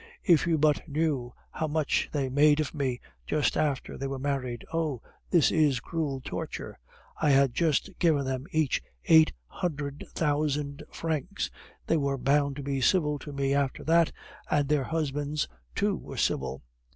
If you but knew how much they made of me just after they were married. (Oh! this is cruel torture!) I had just given them each eight hundred thousand francs; they were bound to be civil to me after that, and their husbands too were civil.